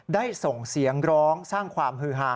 ได้ส่งเสียงร้องสร้างความฮือฮา